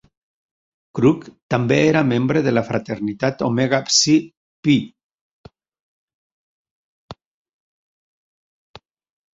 Crook també era membre de la fraternitat Omega Psi Phi.